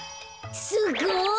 すごい。